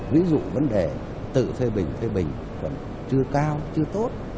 ví dụ vấn đề tự thuê bình thuê bình còn chưa cao chưa tốt